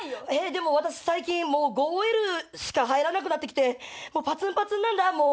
でも私最近５Ｌしか入らなくなってきてパツンパツンなんだもう。